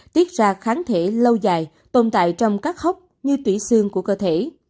tiết ra kháng thể lâu dài tồn tại trong các hốc như tủy xương của cơ thể